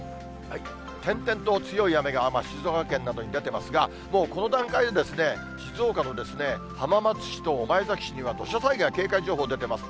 点々と強い雨が静岡県などに出てますが、もうこの段階で、静岡の浜松市と御前崎市には、土砂災害警戒情報、出てます。